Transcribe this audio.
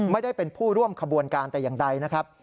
ไม่ได้เป็นผู้ร่วมขบวนการแต่อย่างใดนะครับ